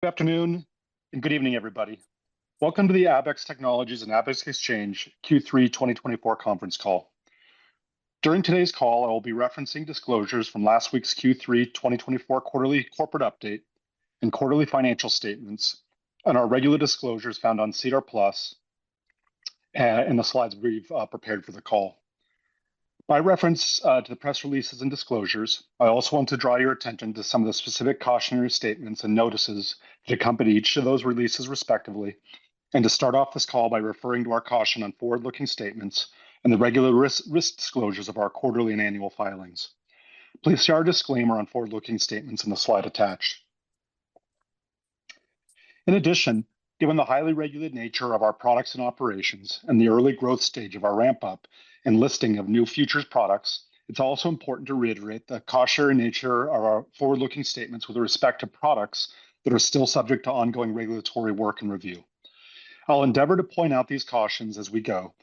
Good afternoon and good evening, everybody. Welcome to the Abaxx Technologies and Abaxx Exchange Q3 2024 conference call. During today's call, I will be referencing disclosures from last week's Q3 2024 quarterly corporate update and quarterly financial statements and our regular disclosures found on SEDAR+ and the slides we've prepared for the call. By reference to the press releases and disclosures, I also want to draw your attention to some of the specific cautionary statements and notices that accompany each of those releases, respectively, and to start off this call by referring to our caution on forward-looking statements and the regular risk disclosures of our quarterly and annual filings. Please see our disclaimer on forward-looking statements in the slide attached. In addition, given the highly regulated nature of our products and operations and the early growth stage of our ramp-up and listing of new futures products, it's also important to reiterate the cautionary nature of our forward-looking statements with respect to products that are still subject to ongoing regulatory work and review. I'll endeavor to point out these cautions as we go,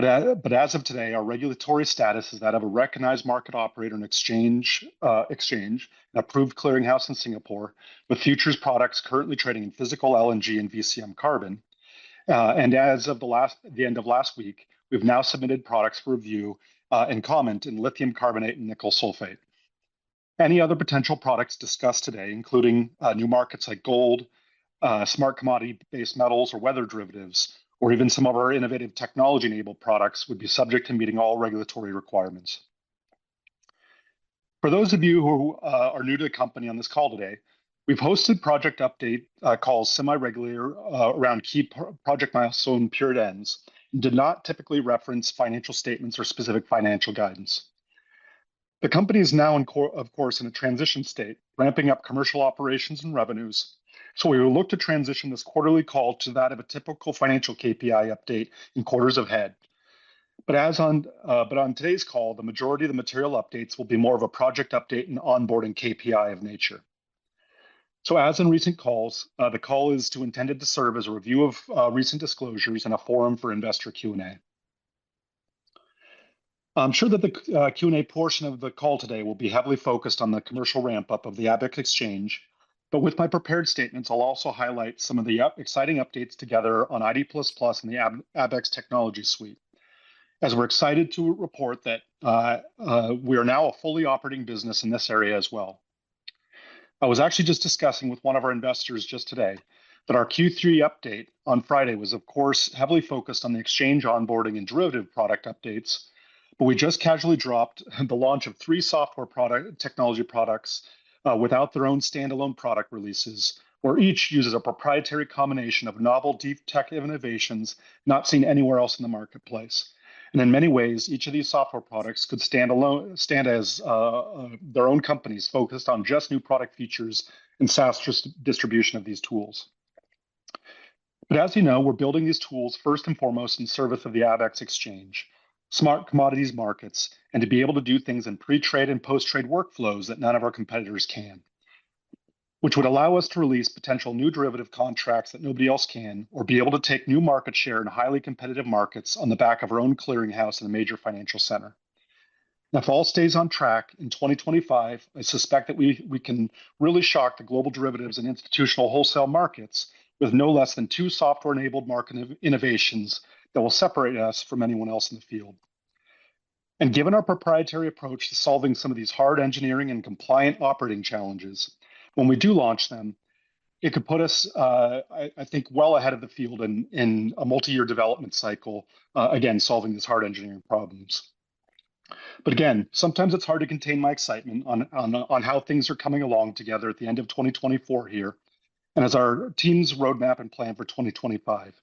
but as of today, our regulatory status is that of a recognized market operator and exchange and approved clearinghouse in Singapore with futures products currently trading in physical LNG and VCM carbon, and as of the end of last week, we've now submitted products for review and comment in lithium carbonate and nickel sulfate. Any other potential products discussed today, including new markets like gold, Smart Commodity-based metals, or weather derivatives, or even some of our innovative technology-enabled products, would be subject to meeting all regulatory requirements. For those of you who are new to the company on this call today, we've hosted project update calls semi-regularly around key project milestone period ends and did not typically reference financial statements or specific financial guidance. The company is now, of course, in a transition state, ramping up commercial operations and revenues. So we will look to transition this quarterly call to that of a typical financial KPI update in quarters ahead. But on today's call, the majority of the material updates will be more of a project update and onboarding KPI of nature. So as in recent calls, the call is intended to serve as a review of recent disclosures and a forum for investor Q&A. I'm sure that the Q&A portion of the call today will be heavily focused on the commercial ramp-up of the Abaxx Exchange. But with my prepared statements, I'll also highlight some of the exciting updates together on ID++ and the Abaxx Technologies suite, as we're excited to report that we are now a fully operating business in this area as well. I was actually just discussing with one of our investors just today that our Q3 update on Friday was, of course, heavily focused on the exchange onboarding and derivative product updates. But we just casually dropped the launch of three software technology products without their own standalone product releases, where each uses a proprietary combination of novel deep tech innovations not seen anywhere else in the marketplace. And in many ways, each of these software products could stand as their own companies focused on just new product features and SaaS distribution of these tools. But as you know, we're building these tools first and foremost in service of the Abaxx Exchange, Smart Commodities markets, and to be able to do things in pre-trade and post-trade workflows that none of our competitors can, which would allow us to release potential new derivative contracts that nobody else can or be able to take new market share in highly competitive markets on the back of our own clearinghouse in a major financial center. Now, if all stays on track, in 2025, I suspect that we can really shock the global derivatives and institutional wholesale markets with no less than two software-enabled market innovations that will separate us from anyone else in the field. Given our proprietary approach to solving some of these hard engineering and compliant operating challenges, when we do launch them, it could put us, I think, well ahead of the field in a multi-year development cycle, again, solving these hard engineering problems. But again, sometimes it's hard to contain my excitement on how things are coming along together at the end of 2024 here and as our team's roadmap and plan for 2025.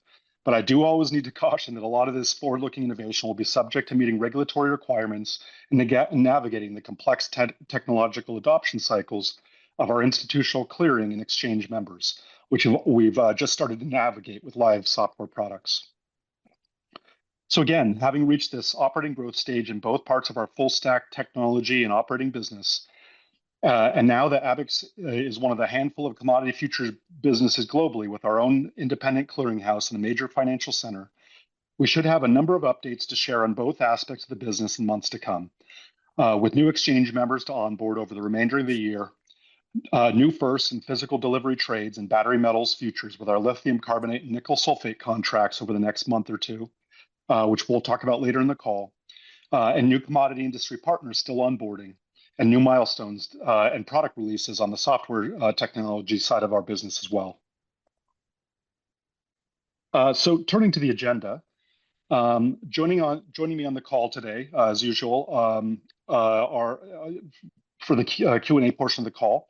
But I do always need to caution that a lot of this forward-looking innovation will be subject to meeting regulatory requirements and navigating the complex technological adoption cycles of our institutional clearing and exchange members, which we've just started to navigate with live software products. So again, having reached this operating growth stage in both parts of our full-stack technology and operating business, and now that Abaxx is one of the handful of commodity futures businesses globally with our own independent clearinghouse and a major financial center, we should have a number of updates to share on both aspects of the business in months to come, with new exchange members to onboard over the remainder of the year, new firsts in physical delivery trades and battery metals futures with our lithium carbonate and nickel sulfate contracts over the next month or two, which we'll talk about later in the call, and new commodity industry partners still onboarding, and new milestones and product releases on the software technology side of our business as well. Turning to the agenda, joining me on the call today, as usual, for the Q&A portion of the call,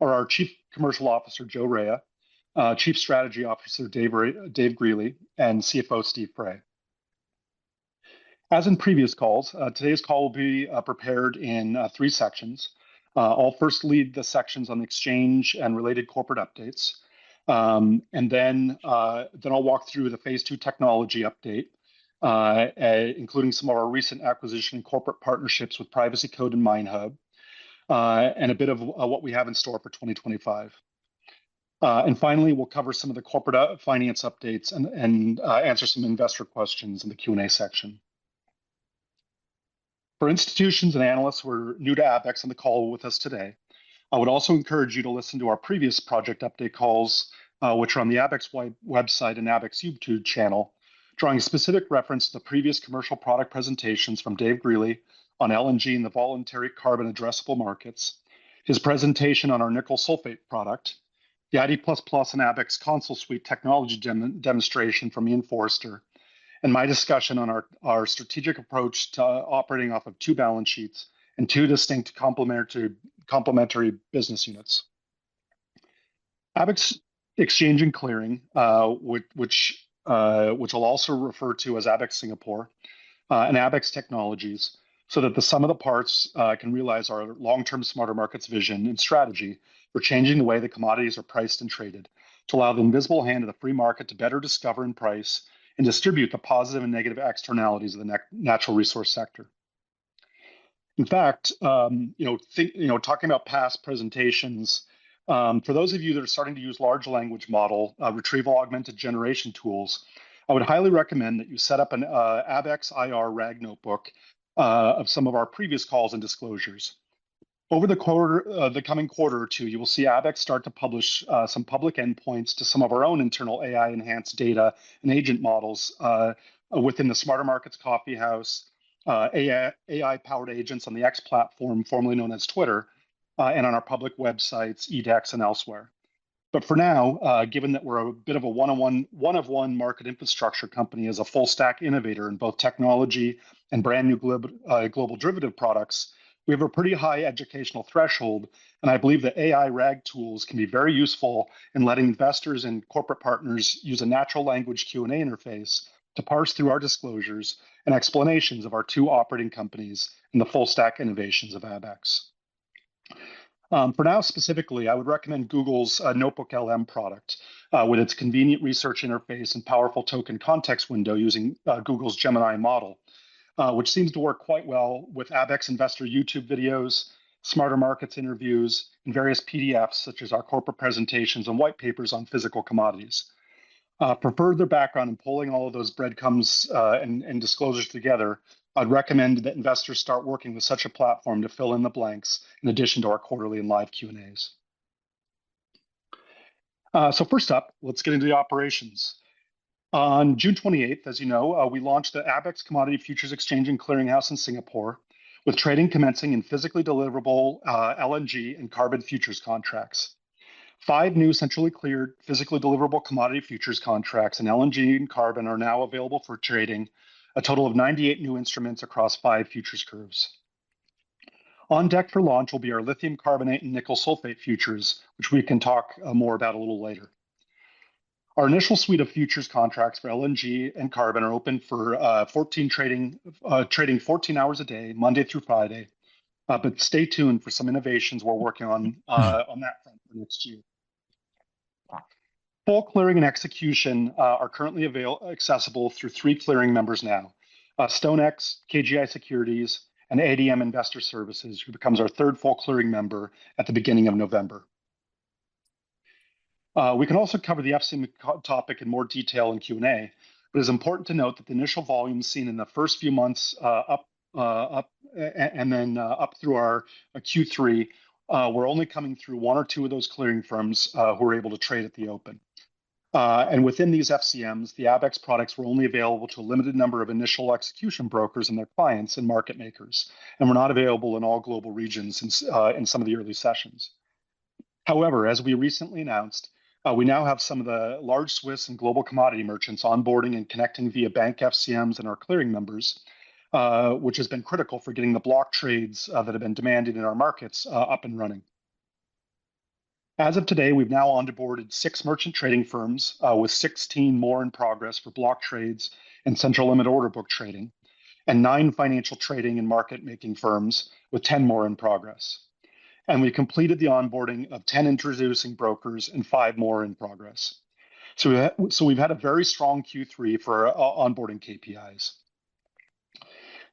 are our Chief Commercial Officer, Joe Raia, Chief Strategy Officer, Dave Greely, and CFO, Steve Fray. As in previous calls, today's call will be prepared in three sections. I'll first lead the sections on the exchange and related corporate updates. And then I'll walk through the phase two technology update, including some of our recent acquisition and corporate partnerships with PrivacyCode and MineHub and a bit of what we have in store for 2025. And finally, we'll cover some of the corporate finance updates and answer some investor questions in the Q&A section. For institutions and analysts who are new to Abaxx and the call with us today, I would also encourage you to listen to our previous project update calls, which are on the Abaxx website and Abaxx YouTube channel, drawing specific reference to the previous commercial product presentations from Dave Greely on LNG and the voluntary carbon addressable markets, his presentation on our nickel sulfate product, the ID++ and Abaxx Console Suite technology demonstration from Ian Forester, and my discussion on our strategic approach to operating off of two balance sheets and two distinct complementary business units. Abaxx Exchange and Clearing, which I'll also refer to as Abaxx Singapore and Abaxx Technologies, so that the sum of the parts can realize our long-term Smarter Markets vision and strategy for changing the way the commodities are priced and traded to allow the invisible hand of the free market to better discover and price and distribute the positive and negative externalities of the natural resource sector. In fact, talking about past presentations, for those of you that are starting to use large language model retrieval augmented generation tools, I would highly recommend that you set up an Abaxx IR RAG notebook of some of our previous calls and disclosures. Over the coming quarter or two, you will see Abaxx start to publish some public endpoints to some of our own internal AI-enhanced data and agent models within the Smarter Markets Coffeehouse, AI-powered agents on the X platform, formerly known as Twitter, and on our public websites, Abaxx, and elsewhere. But for now, given that we're a bit of a one-of-one market infrastructure company as a full-stack innovator in both technology and brand new global derivative products, we have a pretty high educational threshold. And I believe that AI RAG tools can be very useful in letting investors and corporate partners use a natural language Q&A interface to parse through our disclosures and explanations of our two operating companies and the full-stack innovations of Abaxx. For now, specifically, I would recommend Google's NotebookLM product with its convenient research interface and powerful token context window using Google's Gemini model, which seems to work quite well with Abaxx Investor YouTube videos, Smarter Markets interviews, and various PDFs, such as our corporate presentations and white papers on physical commodities. For further background in pulling all of those breadcrumbs and disclosures together, I'd recommend that investors start working with such a platform to fill in the blanks in addition to our quarterly and live Q&As. So first up, let's get into the operations. On June 28th, as you know, we launched the Abaxx Commodity Futures Exchange and Clearinghouse in Singapore with trading commencing in physically deliverable LNG and carbon futures contracts. Five new centrally cleared physically deliverable commodity futures contracts in LNG and carbon are now available for trading, a total of 98 new instruments across five futures curves. On deck for launch will be our lithium carbonate and nickel sulfate futures, which we can talk more about a little later. Our initial suite of futures contracts for LNG and carbon are open for trading 14 hours a day, Monday through Friday. But stay tuned for some innovations we're working on that front for next year. Full clearing and execution are currently accessible through three clearing members now: StoneX, KGI Securities, and ADM Investor Services, who becomes our third full clearing member at the beginning of November. We can also cover the FCM topic in more detail in Q&A, but it's important to note that the initial volume seen in the first few months and then up through our Q3, we're only coming through one or two of those clearing firms who are able to trade at the open. Within these FCMs, the Abaxx products were only available to a limited number of initial execution brokers and their clients and market makers, and were not available in all global regions in some of the early sessions. However, as we recently announced, we now have some of the large Swiss and global commodity merchants onboarding and connecting via bank FCMs and our clearing members, which has been critical for getting the block trades that have been demanded in our markets up and running. As of today, we've now onboarded six merchant trading firms with 16 more in progress for block trades and central limit order book trading, and nine financial trading and market-making firms with 10 more in progress. We completed the onboarding of 10 introducing brokers and five more in progress. We've had a very strong Q3 for onboarding KPIs.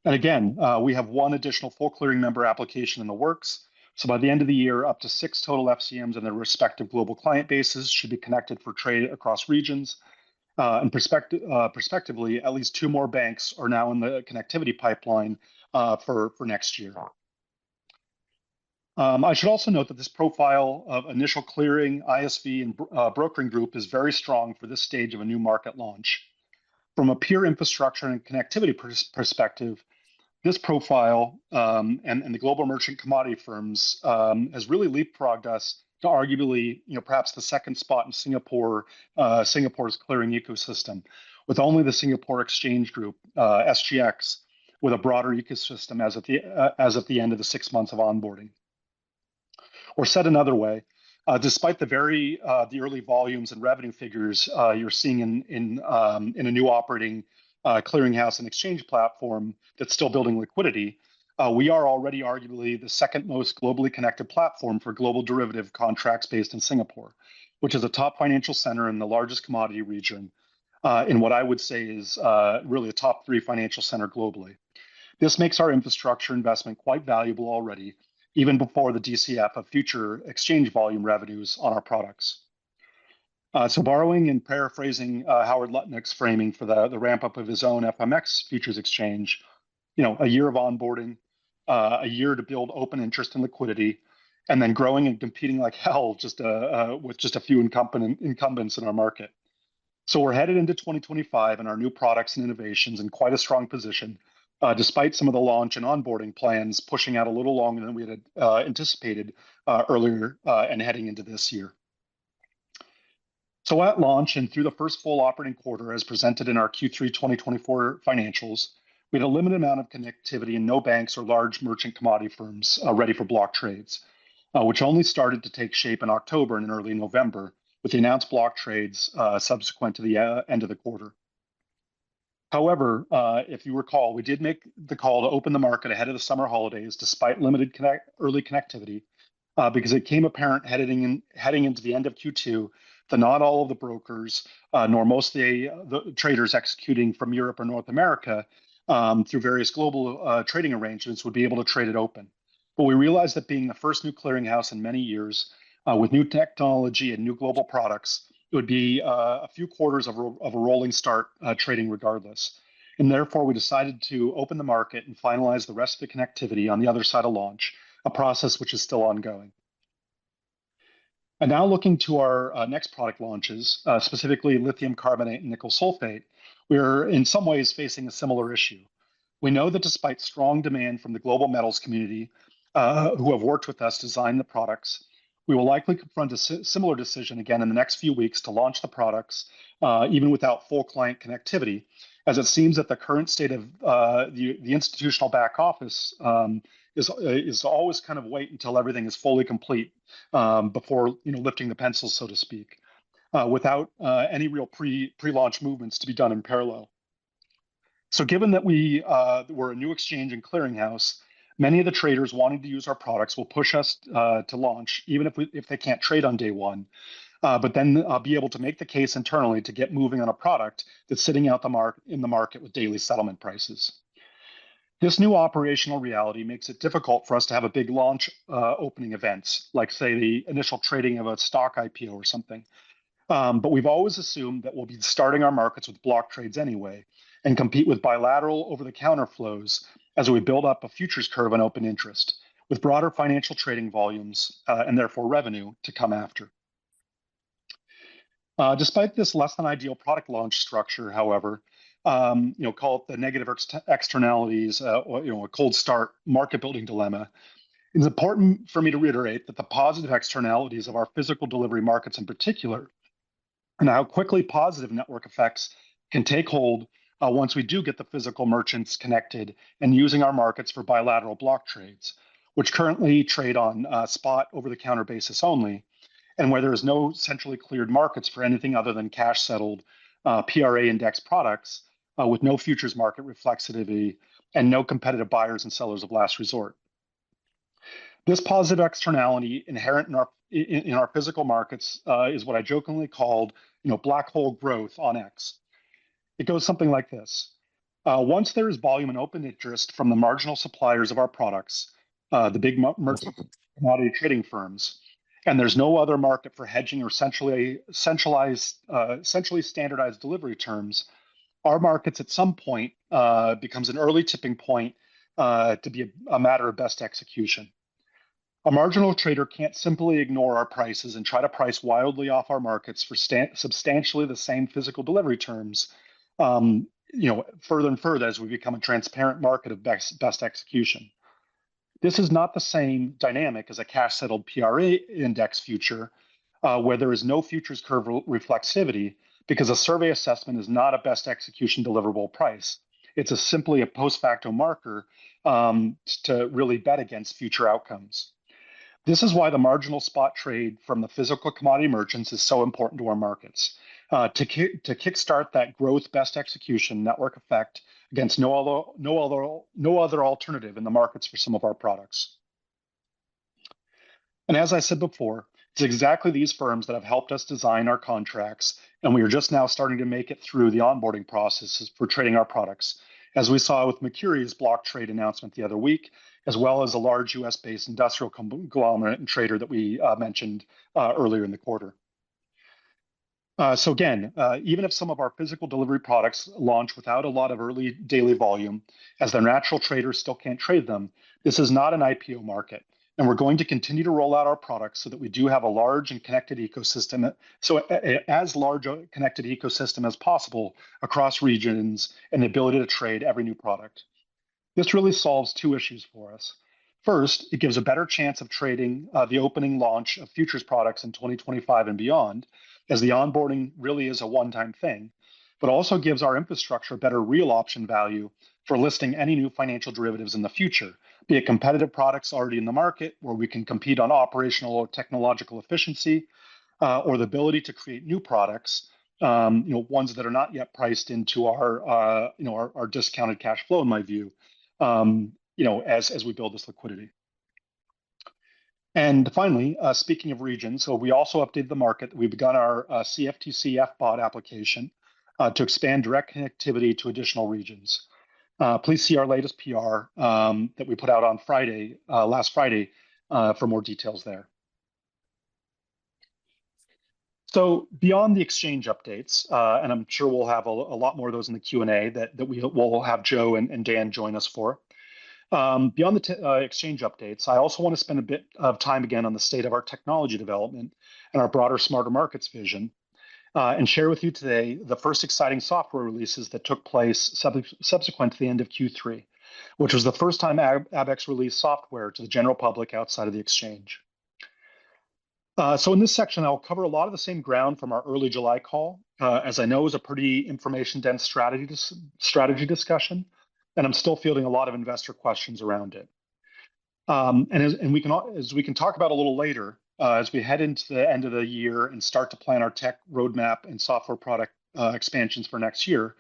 Again, we have one additional full clearing member application in the works. So by the end of the year, up to six total FCMs and their respective global client bases should be connected for trade across regions. And prospectively, at least two more banks are now in the connectivity pipeline for next year. I should also note that this profile of initial clearing, ISV, and brokering group is very strong for this stage of a new market launch. From a peer infrastructure and connectivity perspective, this profile and the global merchant commodity firms has really leapfrogged us to arguably perhaps the second spot in Singapore's clearing ecosystem, with only the Singapore Exchange Group, SGX, with a broader ecosystem as of the end of the six months of onboarding. Or said another way, despite the early volumes and revenue figures you're seeing in a new operating clearinghouse and exchange platform that's still building liquidity, we are already arguably the second most globally connected platform for global derivative contracts based in Singapore, which is a top financial center in the largest commodity region in what I would say is really a top three financial center globally. This makes our infrastructure investment quite valuable already, even before the DCF of future exchange volume revenues on our products. So borrowing and paraphrasing Howard Lutnick's framing for the ramp-up of his own FMX Futures Exchange, a year of onboarding, a year to build open interest and liquidity, and then growing and competing like hell with just a few incumbents in our market. So we're headed into 2025 and our new products and innovations in quite a strong position, despite some of the launch and onboarding plans pushing out a little longer than we had anticipated earlier and heading into this year. So at launch and through the first full operating quarter, as presented in our Q3 2024 financials, we had a limited amount of connectivity and no banks or large merchant commodity firms ready for block trades, which only started to take shape in October and in early November with the announced block trades subsequent to the end of the quarter. However, if you recall, we did make the call to open the market ahead of the summer holidays despite limited early connectivity because it became apparent heading into the end of Q2 that not all of the brokers, nor most of the traders executing from Europe or North America through various global trading arrangements would be able to trade it open. But we realized that being the first new clearinghouse in many years with new technology and new global products, it would be a few quarters of a rolling start trading regardless. And therefore, we decided to open the market and finalize the rest of the connectivity on the other side of launch, a process which is still ongoing. And now looking to our next product launches, specifically lithium carbonate and nickel sulfate, we are in some ways facing a similar issue. We know that despite strong demand from the global metals community who have worked with us to design the products, we will likely confront a similar decision again in the next few weeks to launch the products, even without full client connectivity, as it seems that the current state of the institutional back office is always kind of wait until everything is fully complete before lifting the pencil, so to speak, without any real pre-launch movements to be done in parallel. So given that we were a new exchange and clearinghouse, many of the traders wanting to use our products will push us to launch, even if they can't trade on day one, but then be able to make the case internally to get moving on a product that's sitting out in the market with daily settlement prices. This new operational reality makes it difficult for us to have a big launch opening events, like say the initial trading of a stock IPO or something. But we've always assumed that we'll be starting our markets with block trades anyway and compete with bilateral over-the-counter flows as we build up a futures curve and open interest with broader financial trading volumes and therefore revenue to come after. Despite this less-than-ideal product launch structure, however called the negative externalities, a cold start, market-building dilemma, it's important for me to reiterate that the positive externalities of our physical delivery markets in particular and how quickly positive network effects can take hold once we do get the physical merchants connected and using our markets for bilateral block trades, which currently trade on spot over-the-counter basis only, and where there is no centrally cleared markets for anything other than cash-settled PRA index products with no futures market reflexivity and no competitive buyers and sellers of last resort. This positive externality inherent in our physical markets is what I jokingly called black hole growth on X. It goes something like this: once there is volume and open interest from the marginal suppliers of our products, the big merchant commodity trading firms, and there's no other market for hedging or centrally standardized delivery terms, our markets at some point become an early tipping point to be a matter of best execution. A marginal trader can't simply ignore our prices and try to price wildly off our markets for substantially the same physical delivery terms further and further as we become a transparent market of best execution. This is not the same dynamic as a cash-settled PRA index future where there is no futures curve reflexivity because a survey assessment is not a best execution deliverable price. It's simply a post-facto marker to really bet against future outcomes. This is why the marginal spot trade from the physical commodity merchants is so important to our markets, to kickstart that growth best execution network effect against no other alternative in the markets for some of our products. And as I said before, it's exactly these firms that have helped us design our contracts, and we are just now starting to make it through the onboarding processes for trading our products, as we saw with Mercury's block trade announcement the other week, as well as a large U.S.-based industrial conglomerate and trader that we mentioned earlier in the quarter. So again, even if some of our physical delivery products launch without a lot of early daily volume, as their natural traders still can't trade them, this is not an IPO market. We're going to continue to roll out our products so that we do have a large and connected ecosystem, so as large a connected ecosystem as possible across regions and the ability to trade every new product. This really solves two issues for us. First, it gives a better chance of trading the opening launch of futures products in 2025 and beyond, as the onboarding really is a one-time thing, but also gives our infrastructure better real option value for listing any new financial derivatives in the future, be it competitive products already in the market where we can compete on operational or technological efficiency or the ability to create new products, ones that are not yet priced into our discounted cash flow, in my view, as we build this liquidity. Finally, speaking of regions, so we also updated the market. We've begun our CFTC FBOT application to expand direct connectivity to additional regions. Please see our latest PR that we put out on Friday, last Friday, for more details there. So beyond the exchange updates, and I'm sure we'll have a lot more of those in the Q&A that we will have Joe and Dave join us for. Beyond the exchange updates, I also want to spend a bit of time again on the state of our technology development and our broader Smarter Markets vision and share with you today the first exciting software releases that took place subsequent to the end of Q3, which was the first time Abaxx released software to the general public outside of the exchange. So in this section, I'll cover a lot of the same ground from our early July call, as I know is a pretty information-dense strategy discussion, and I'm still fielding a lot of investor questions around it. And as we can talk about a little later as we head into the end of the year and start to plan our tech roadmap and software product expansions for next year,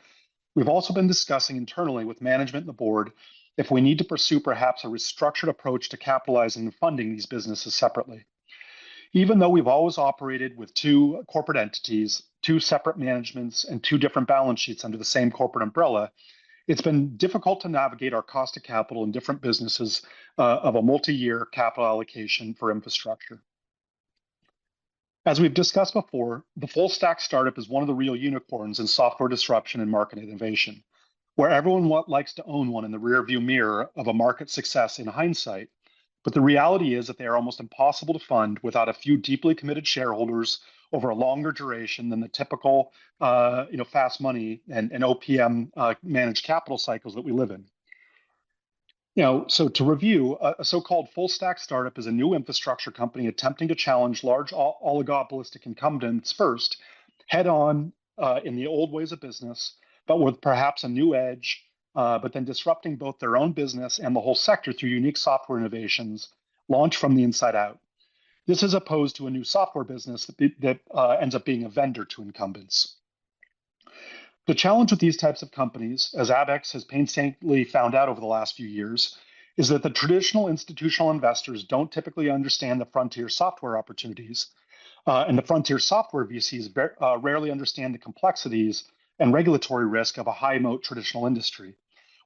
we've also been discussing internally with management and the board if we need to pursue perhaps a restructured approach to capitalizing and funding these businesses separately. Even though we've always operated with two corporate entities, two separate managements, and two different balance sheets under the same corporate umbrella, it's been difficult to navigate our cost of capital in different businesses of a multi-year capital allocation for infrastructure. As we've discussed before, the full-stack startup is one of the real unicorns in software disruption and market innovation, where everyone likes to own one in the rearview mirror of a market success in hindsight, but the reality is that they are almost impossible to fund without a few deeply committed shareholders over a longer duration than the typical fast money and OPM managed capital cycles that we live in, so to review, a so-called full-stack startup is a new infrastructure company attempting to challenge large oligopolistic incumbents first, head-on in the old ways of business, but with perhaps a new edge, but then disrupting both their own business and the whole sector through unique software innovations launched from the inside out. This is opposed to a new software business that ends up being a vendor to incumbents. The challenge with these types of companies, as Abaxx has painstakingly found out over the last few years, is that the traditional institutional investors don't typically understand the frontier software opportunities, and the frontier software VCs rarely understand the complexities and regulatory risk of a high-moat traditional industry,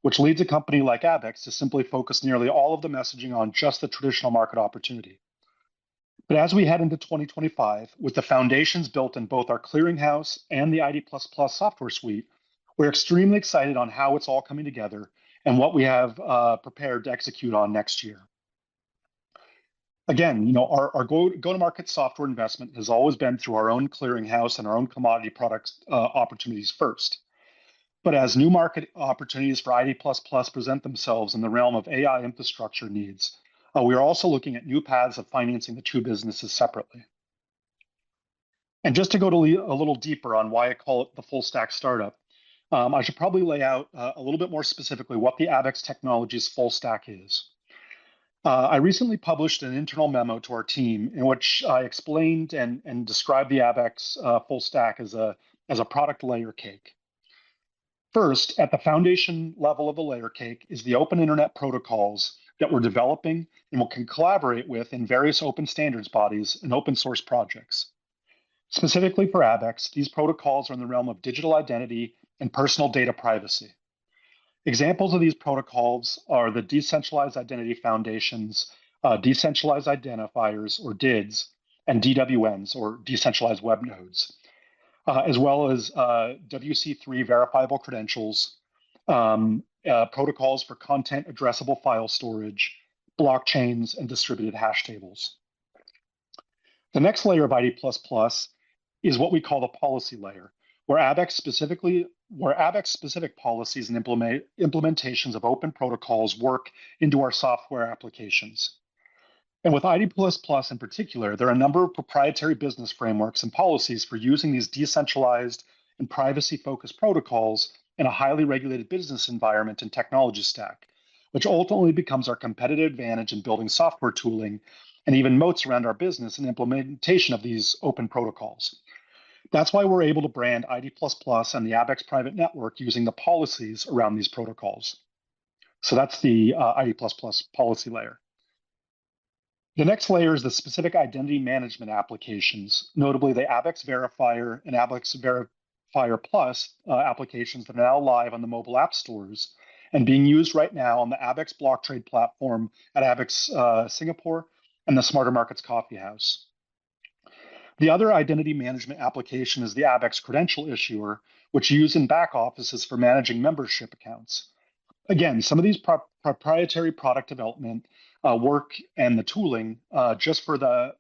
which leads a company like Abaxx to simply focus nearly all of the messaging on just the traditional market opportunity. But as we head into 2025, with the foundations built in both our clearinghouse and the ID++ software suite, we're extremely excited on how it's all coming together and what we have prepared to execute on next year. Again, our go-to-market software investment has always been through our own clearinghouse and our own commodity product opportunities first. But as new market opportunities for ID++ present themselves in the realm of AI infrastructure needs, we are also looking at new paths of financing the two businesses separately. And just to go a little deeper on why I call it the full-stack startup, I should probably lay out a little bit more specifically what the Abaxx Technologies full-stack is. I recently published an internal memo to our team in which I explained and described the Abaxx full-stack as a product layer cake. First, at the foundation level of a layer cake is the open internet protocols that we're developing and we can collaborate with in various open standards bodies and open-source projects. Specifically for Abaxx, these protocols are in the realm of digital identity and personal data privacy. Examples of these protocols are the Decentralized Identity Foundation's, Decentralized Identifiers or DIDs, and DWNs or Decentralized Web Nodes, as well as W3C Verifiable Credentials, protocols for content addressable file storage, blockchains, and distributed hash tables. The next layer of ID++ is what we call the policy layer, where Abaxx-specific policies and implementations of open protocols work into our software applications. And with ID++ in particular, there are a number of proprietary business frameworks and policies for using these decentralized and privacy-focused protocols in a highly regulated business environment and technology stack, which ultimately becomes our competitive advantage in building software tooling and even moats around our business and implementation of these open protocols. That's why we're able to brand ID++ and the Abaxx private network using the policies around these protocols. So that's the ID++ policy layer. The next layer is the specific identity management applications, notably the Abaxx Verifier and Abaxx Verifier Plus applications that are now live on the mobile app stores and being used right now on the Abaxx block trade platform at Abaxx Singapore and the Smarter Markets Coffeehouse. The other identity management application is the Abaxx Credential Issuer, which is used in back offices for managing membership accounts. Again, some of these proprietary product development work and the tooling just for the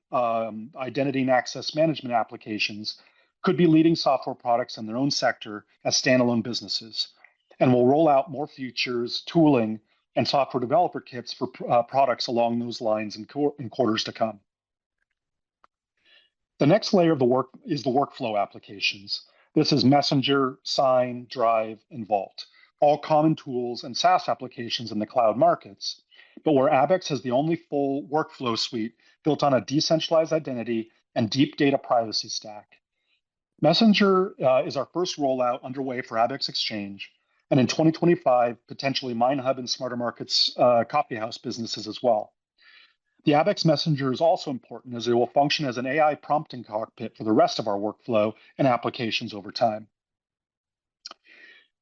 identity and access management applications could be leading software products in their own sector as standalone businesses and will roll out more futures, tooling, and software developer kits for products along those lines in quarters to come. The next layer of the work is the workflow applications. This is Abaxx Messenger, Abaxx Sign, Abaxx Drive, and Abaxx Vault, all common tools and SaaS applications in the cloud markets, but where Abaxx has the only full workflow suite built on a decentralized identity and deep data privacy stack. Abaxx Messenger is our first rollout underway for Abaxx Exchange, and in 2025, potentially MineHub and Smarter Markets Coffeehouse businesses as well. The Abaxx Messenger is also important as it will function as an AI prompting cockpit for the rest of our workflow and applications over time,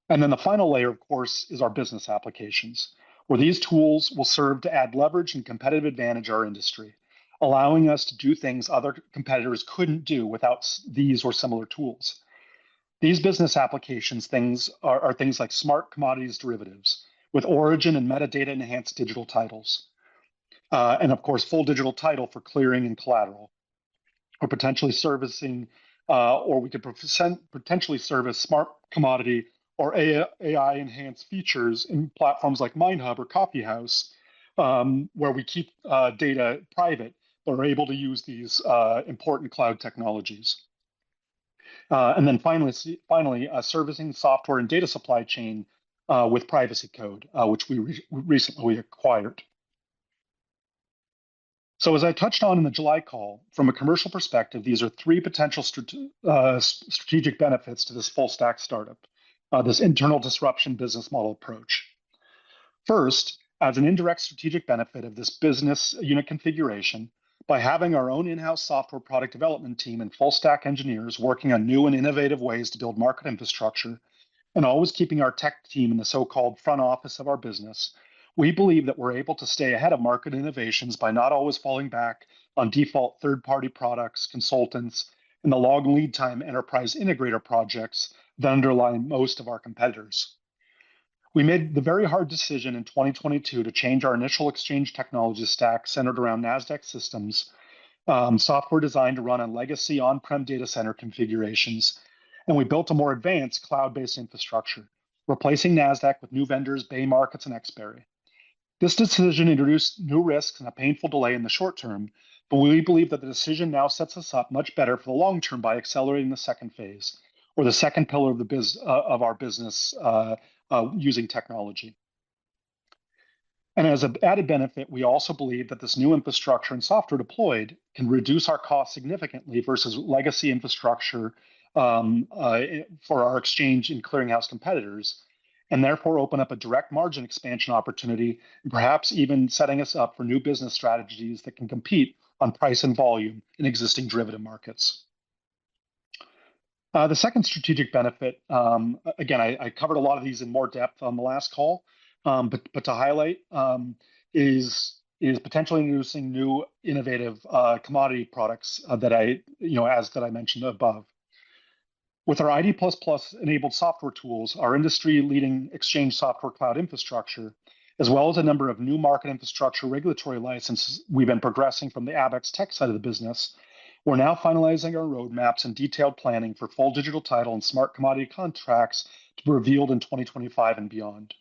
and then the final layer, of course, is our business applications, where these tools will serve to add leverage and competitive advantage to our industry, allowing us to do things other competitors couldn't do without these or similar tools. These business applications are things like Smart Commodities derivatives with origin and metadata-enhanced digital titles, and of course, full digital title for clearing and collateral, or potentially servicing, or we could potentially service Smart Commodity or AI-enhanced features in platforms like MineHub or Coffeehouse, where we keep data private but are able to use these important cloud technologies, and then finally, servicing software and data supply chain with PrivacyCode, which we recently acquired, so as I touched on in the July call, from a commercial perspective, these are three potential strategic benefits to this full-stack startup, this internal disruption business model approach. First, as an indirect strategic benefit of this business unit configuration, by having our own in-house software product development team and full-stack engineers working on new and innovative ways to build market infrastructure and always keeping our tech team in the so-called front office of our business, we believe that we're able to stay ahead of market innovations by not always falling back on default third-party products, consultants, and the long lead time enterprise integrator projects that underlie most of our competitors. We made the very hard decision in 2022 to change our initial exchange technology stack centered around Nasdaq systems, software designed to run on legacy on-prem data center configurations, and we built a more advanced cloud-based infrastructure, replacing Nasdaq with new vendors, Baymarkets, and Exberry. This decision introduced new risks and a painful delay in the short term, but we believe that the decision now sets us up much better for the long term by accelerating the second phase, or the second pillar of our business using technology, and as an added benefit, we also believe that this new infrastructure and software deployed can reduce our cost significantly versus legacy infrastructure for our exchange and clearinghouse competitors, and therefore open up a direct margin expansion opportunity, and perhaps even setting us up for new business strategies that can compete on price and volume in existing derivative markets. The second strategic benefit, again, I covered a lot of these in more depth on the last call, but to highlight is potentially introducing new innovative commodity products that I, as I mentioned above. With our ID++-enabled software tools, our industry-leading exchange software cloud infrastructure, as well as a number of new market infrastructure regulatory licenses, we've been progressing from the Abaxx tech side of the business. We're now finalizing our roadmaps and detailed planning for full digital title and Smart Commodity contracts to be revealed in 2025 and beyond.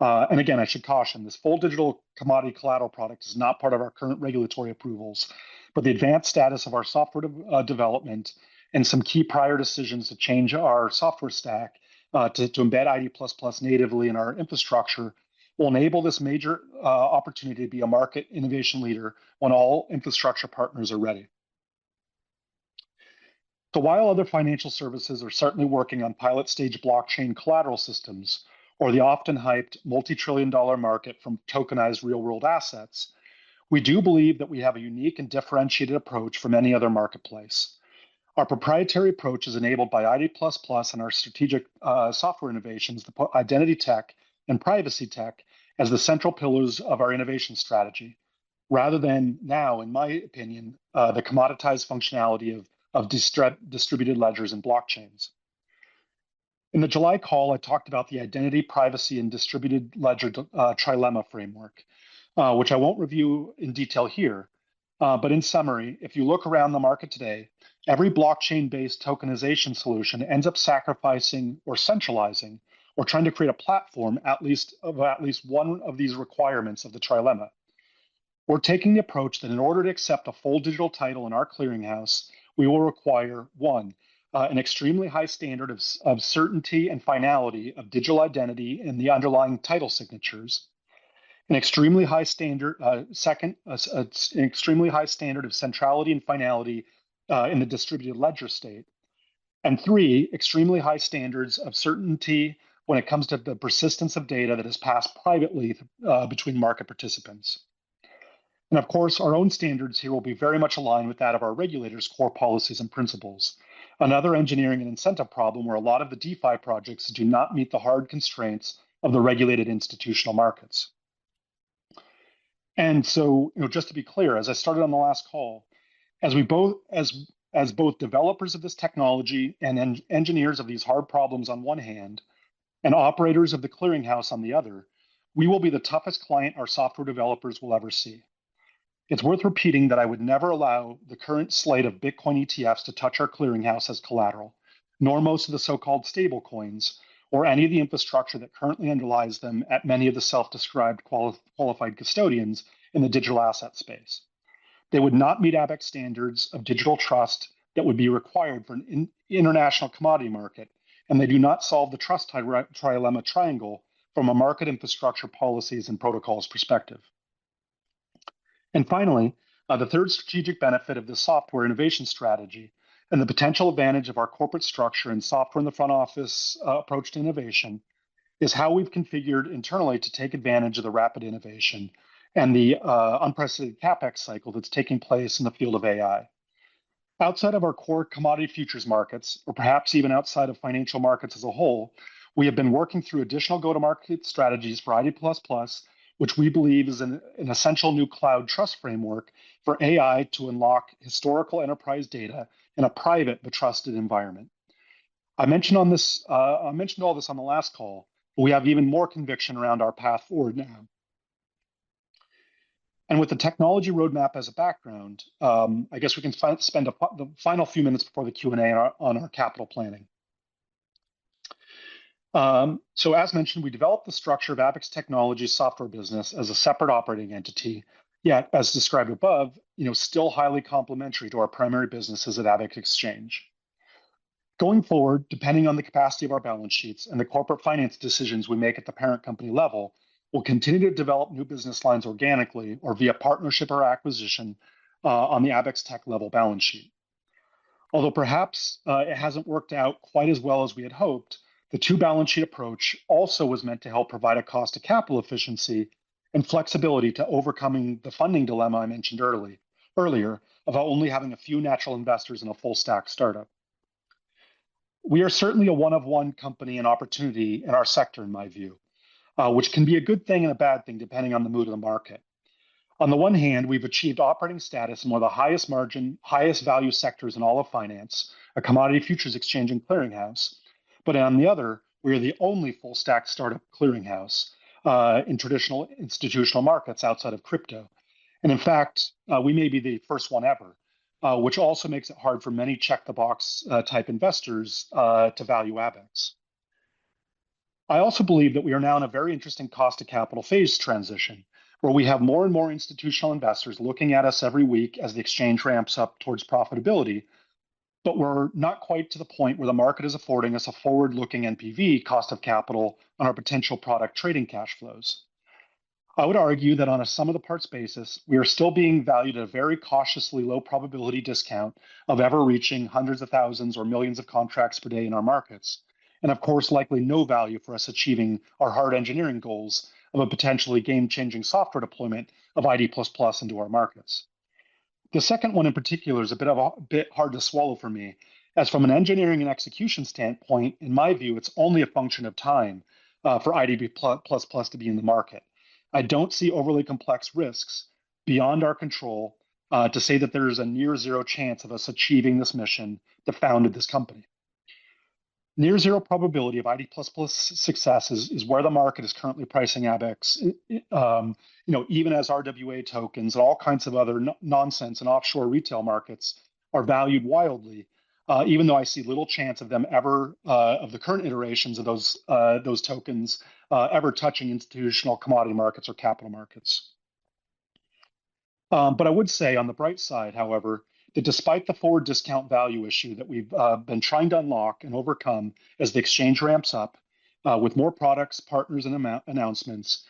And again, I should caution, this full digital commodity collateral product is not part of our current regulatory approvals, but the advanced status of our software development and some key prior decisions to change our software stack to embed ID++ natively in our infrastructure will enable this major opportunity to be a market innovation leader when all infrastructure partners are ready. While other financial services are certainly working on pilot-stage blockchain collateral systems or the often-hyped multi-trillion-dollar market from tokenized real-world assets, we do believe that we have a unique and differentiated approach from any other marketplace. Our proprietary approach is enabled by ID++ and our strategic software innovations, the identity tech and privacy tech, as the central pillars of our innovation strategy, rather than now, in my opinion, the commoditized functionality of distributed ledgers and blockchains. In the July call, I talked about the identity, privacy, and distributed ledger trilemma framework, which I won't review in detail here, but in summary, if you look around the market today, every blockchain-based tokenization solution ends up sacrificing or centralizing or trying to create a platform at least of one of these requirements of the trilemma. We're taking the approach that in order to accept a full digital title in our clearinghouse, we will require, one, an extremely high standard of certainty and finality of digital identity in the underlying title signatures, an extremely high standard of centrality and finality in the distributed ledger state, and three, extremely high standards of certainty when it comes to the persistence of data that is passed privately between market participants. And of course, our own standards here will be very much aligned with that of our regulators' core policies and principles, another engineering and incentive problem where a lot of the DeFi projects do not meet the hard constraints of the regulated institutional markets. Just to be clear, as I started on the last call, as both developers of this technology and engineers of these hard problems on one hand and operators of the clearinghouse on the other, we will be the toughest client our software developers will ever see. It's worth repeating that I would never allow the current slate of Bitcoin ETFs to touch our clearinghouse as collateral, nor most of the so-called stablecoins or any of the infrastructure that currently underlies them at many of the self-described qualified custodians in the digital asset space. They would not meet Abaxx standards of digital trust that would be required for an international commodity market, and they do not solve the trust trilemma triangle from a market infrastructure policies and protocols perspective. And finally, the third strategic benefit of the software innovation strategy and the potential advantage of our corporate structure and software in the front office approach to innovation is how we've configured internally to take advantage of the rapid innovation and the unprecedented CapEx cycle that's taking place in the field of AI. Outside of our core commodity futures markets, or perhaps even outside of financial markets as a whole, we have been working through additional go-to-market strategies for ID++, which we believe is an essential new cloud trust framework for AI to unlock historical enterprise data in a private but trusted environment. I mentioned all this on the last call, but we have even more conviction around our path forward now. And with the technology roadmap as a background, I guess we can spend the final few minutes before the Q&A on our capital planning. As mentioned, we developed the structure of Abaxx Technologies software business as a separate operating entity, yet, as described above, still highly complementary to our primary businesses at Abaxx Exchange. Going forward, depending on the capacity of our balance sheets and the corporate finance decisions we make at the parent company level, we'll continue to develop new business lines organically or via partnership or acquisition on the Abaxx tech level balance sheet. Although perhaps it hasn't worked out quite as well as we had hoped, the two-balance sheet approach also was meant to help provide a cost-to-capital efficiency and flexibility to overcoming the funding dilemma I mentioned earlier about only having a few natural investors in a full-stack startup. We are certainly a one-of-one company and opportunity in our sector, in my view, which can be a good thing and a bad thing depending on the mood of the market. On the one hand, we've achieved operating status in one of the highest margin, highest value sectors in all of finance, a commodity futures exchange and clearinghouse, but on the other, we are the only full-stack startup clearinghouse in traditional institutional markets outside of crypto. And in fact, we may be the first one ever, which also makes it hard for many check-the-box type investors to value Abaxx. I also believe that we are now in a very interesting cost of capital phase transition, where we have more and more institutional investors looking at us every week as the exchange ramps up towards profitability, but we're not quite to the point where the market is affording us a forward-looking NPV, cost of capital, on our potential product trading cash flows. I would argue that on a sum-of-the-parts basis, we are still being valued at a very cautiously low probability discount of ever reaching hundreds of thousands or millions of contracts per day in our markets, and of course, likely no value for us achieving our hard engineering goals of a potentially game-changing software deployment of ID++ into our markets. The second one in particular is a bit hard to swallow for me, as from an engineering and execution standpoint, in my view, it's only a function of time for ID++ to be in the market. I don't see overly complex risks beyond our control to say that there is a near-zero chance of us achieving this mission that founded this company. Near-zero probability of ID++ success is where the market is currently pricing Abaxx, even as RWA tokens and all kinds of other nonsense in offshore retail markets are valued wildly, even though I see little chance of them ever, of the current iterations of those tokens, ever touching institutional commodity markets or capital markets. But I would say, on the bright side, however, that despite the forward discount value issue that we've been trying to unlock and overcome as the exchange ramps up with more products, partners, and announcements,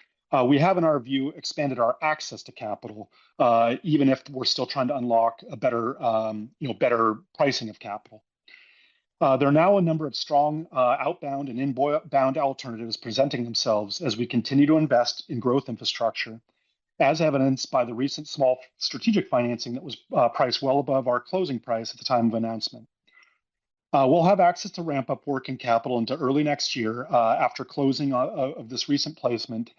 we have, in our view, expanded our access to capital, even if we're still trying to unlock a better pricing of capital. There are now a number of strong outbound and inbound alternatives presenting themselves as we continue to invest in growth infrastructure, as evidenced by the recent small strategic financing that was priced well above our closing price at the time of announcement. We'll have access to ramp up working capital into early next year after closing of this recent placement,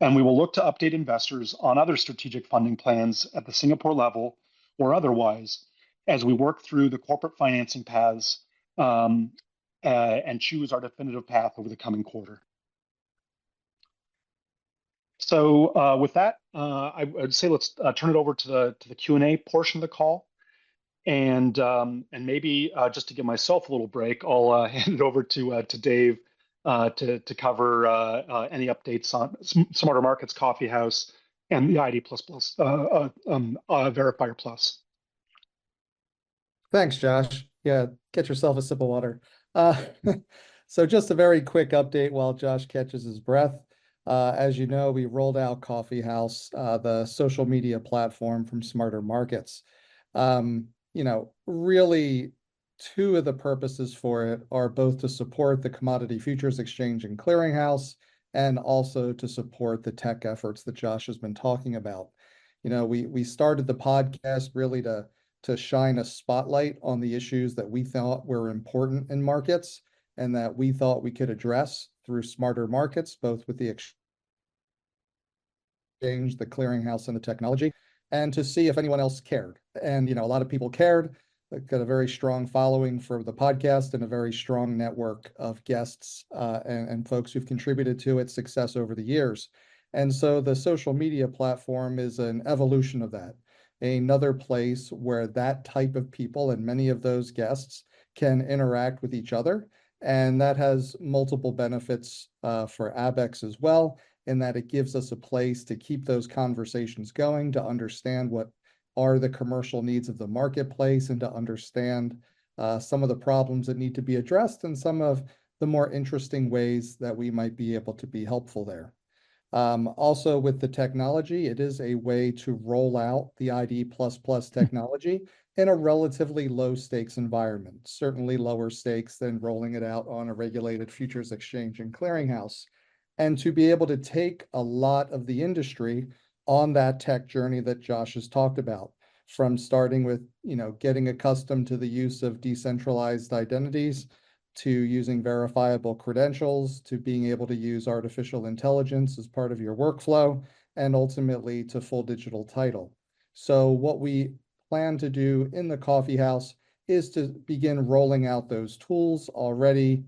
and we will look to update investors on other strategic funding plans at the Singapore level or otherwise as we work through the corporate financing paths and choose our definitive path over the coming quarter. So with that, I'd say let's turn it over to the Q&A portion of the call. And maybe just to give myself a little break, I'll hand it over to Dave to cover any updates on Smarter Markets Coffeehouse and the ID++ Verifier Plus. Thanks, Josh. Yeah, get yourself a sip of water. So jus t a very quick update while Josh catches his breath. As you know, we rolled out Coffeehouse, the social media platform from Smarter Markets. Really, two of the purposes for it are both to support the commodity futures exchange and clearinghouse and also to support the tech efforts that Josh has been talking about. We started the podcast really to shine a spotlight on the issues that we thought were important in markets and that we thought we could address through Smarter Markets, both with the exchange, the clearinghouse, and the technology, and to see if anyone else cared. And a lot of people cared. They've got a very strong following for the podcast and a very strong network of guests and folks who've contributed to its success over the years. And so the social media platform is an evolution of that, another place where that type of people and many of those guests can interact with each other. That has multiple benefits for Abaxx as well in that it gives us a place to keep those conversations going, to understand what are the commercial needs of the marketplace, and to understand some of the problems that need to be addressed and some of the more interesting ways that we might be able to be helpful there. Also, with the technology, it is a way to roll out the ID++ technology in a relatively low-stakes environment, certainly lower stakes than rolling it out on a regulated futures exchange and clearinghouse, and to be able to take a lot of the industry on that tech journey that Josh has talked about, from starting with getting accustomed to the use of decentralized identities to using verifiable credentials to being able to use artificial intelligence as part of your workflow and ultimately to full digital title. So what we plan to do in the Coffeehouse is to begin rolling out those tools. Already,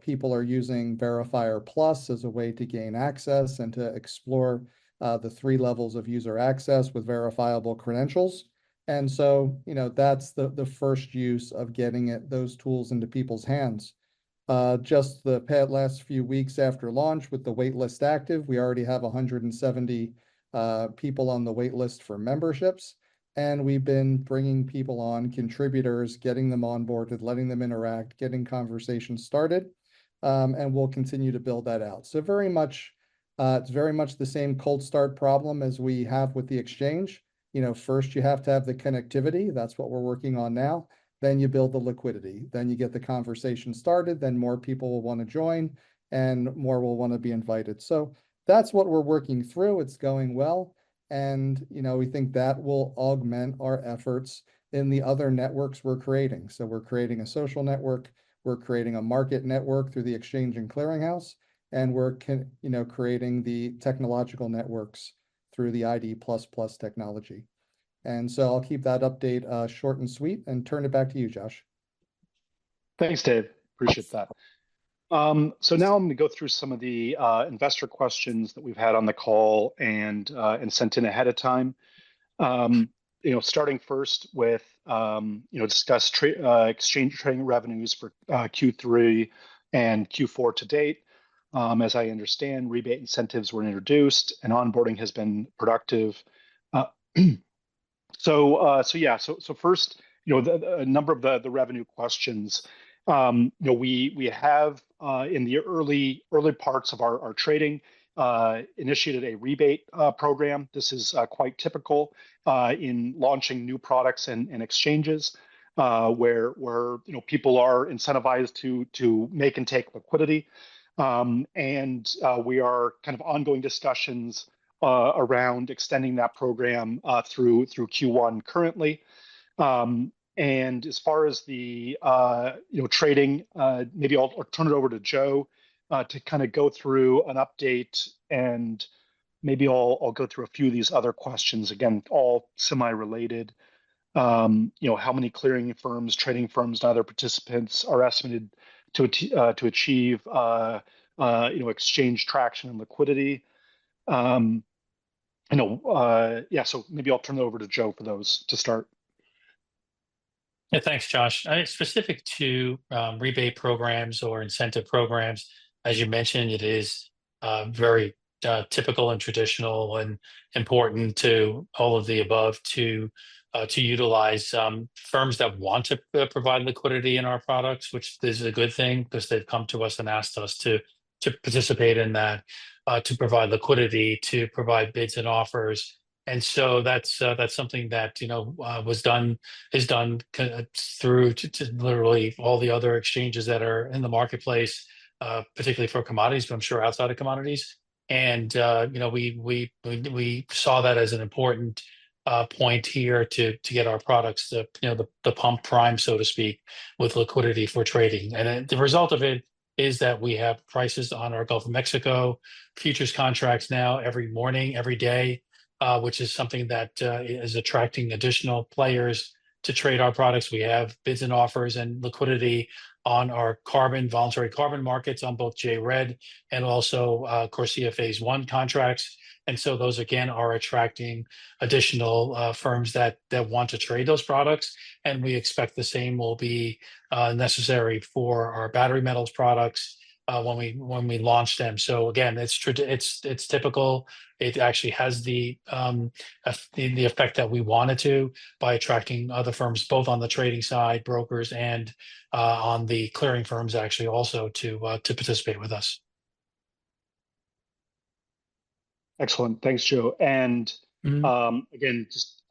people are using Verifier Plus as a way to gain access and to explore the three levels of user access with verifiable credentials. And so that's the first use of getting those tools into people's hands. Just the past few weeks after launch with the waitlist active, we already have 170 people on the waitlist for memberships, and we've been bringing people on, contributors, getting them on board to letting them interact, getting conversations started, and we'll continue to build that out. So very much, it's very much the same cold start problem as we have with the exchange. First, you have to have the connectivity. That's what we're working on now. Then you build the liquidity. Then you get the conversation started. Then more people will want to join and more will want to be invited. So that's what we're working through. It's going well. And we think that will augment our efforts in the other networks we're creating. So we're creating a social network. We're creating a market network through the exchange and clearinghouse, and we're creating the technological networks through the ID++ technology. And so I'll keep that update short and sweet and turn it back to you, Josh. Thanks, Dave. Appreciate that. So now I'm going to go through some of the investor questions that we've had on the call and sent in ahead of time. Starting first with discussed exchange trading revenues for Q3 and Q4 to date. As I understand, rebate incentives were introduced and onboarding has been productive. So yeah, so first, a number of the revenue questions. We have, in the early parts of our trading, initiated a rebate program. This is quite typical in launching new products and exchanges where people are incentivized to make and take liquidity, and we are kind of ongoing discussions around extending that program through Q1 currently, and as far as the trading, maybe I'll turn it over to Joe to kind of go through an update, and maybe I'll go through a few of these other questions. Again, all semi-related. How many clearing firms, trading firms, and other participants are estimated to achieve exchange traction and liquidity? Yeah, so maybe I'll turn it over to Joe for those to start. Yeah, thanks, Josh. Specific to rebate programs or incentive programs, as you mentioned, it is very typical and traditional and important to all of the above to utilize firms that want to provide liquidity in our products, which is a good thing because they've come to us and asked us to participate in that, to provide liquidity, to provide bids and offers. And so that's something that is done through literally all the other exchanges that are in the marketplace, particularly for commodities, but I'm sure outside of commodities. And we saw that as an important point here to prime the pump, so to speak, with liquidity for trading. And the result of it is that we have prices on our Gulf of Mexico futures contracts now every morning, every day, which is something that is attracting additional players to trade our products. We have bids and offers and liquidity on our voluntary carbon markets on both J-REDD and also, CORSIA Phase One contracts. And so those, again, are attracting additional firms that want to trade those products. And we expect the same will be necessary for our battery metals products when we launch them. So again, it's typical. It actually has the effect that we wanted to by attracting other firms, both on the trading side, brokers, and on the clearing firms actually also to participate with us. Excellent. Thanks, Joe. And again, just